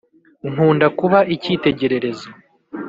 nkunda kuba ikitegererezo